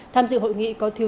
tham dự hội nghị có thiếu tư